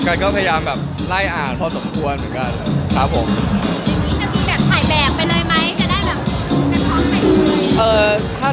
กันก็แบบอิงไลน์อ่านพอสมมตินอนเหมือนกัน